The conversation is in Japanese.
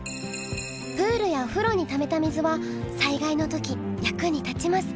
プールやお風呂にためた水は災害のとき役に立ちます。